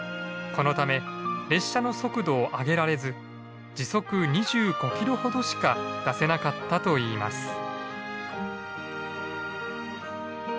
このため列車の速度を上げられず時速２５キロほどしか出せなかったといいます。